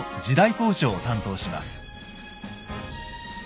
考証を担当します。